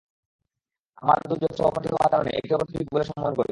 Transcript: আমরা দুজনে সহপাঠী হওয়ার কারণে একে অপরকে তুই বলে সম্বোধন করি।